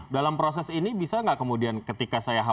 dalam proses ini bisa nggak kemudian ketika saya khawatir